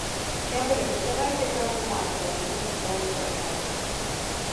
Сябры, ну давайце праўду-матку разану па поўнай праграме.